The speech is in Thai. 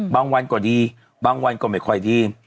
บางวันก็ดีบางวันก็ไม่ค่อยดี